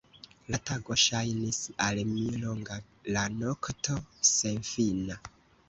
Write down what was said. La tago ŝajnis al mi longa; la nokto, senfina.